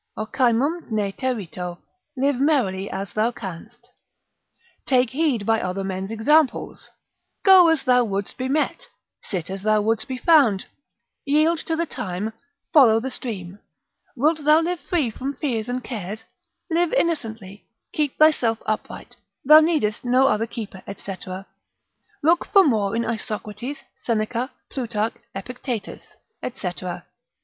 Ocymum ne terito. Live merrily as thou canst. Take heed by other men's examples. Go as thou wouldst be met, sit as thou wouldst be found, yield to the time, follow the stream. Wilt thou live free from fears and cares? Live innocently, keep thyself upright, thou needest no other keeper, &c. Look for more in Isocrates, Seneca, Plutarch, Epictetus, &c.